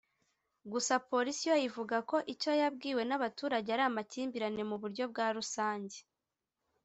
gusa Polisi yo ivuga ko icyo yabwiwe n’abaturage ari amakimbirane mu buryo bwa rusange